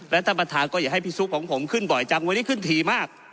ท่านประธานก็อย่าให้พี่ซุปของผมขึ้นบ่อยจังวันนี้ขึ้นทีมาก